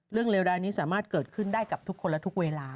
เรื่องเร็วดายนี้สามารถเกิดขึ้นได้กับทุกคนกับทุกเวลา